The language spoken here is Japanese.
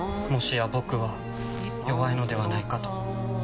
もしや僕は弱いのではないかと。